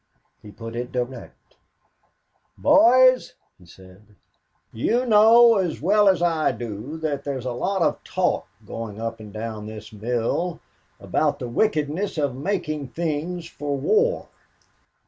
He put it direct. "Boys," he said, "you know as well as I do that there's a lot of talk going up and down this mill about the wickedness of making things for war.